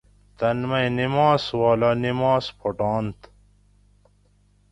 تن مئی نماز والہ نماز پھوٹانت